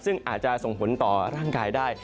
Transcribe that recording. ซึ่งอาจจะส่งผลต่อร่างกายได้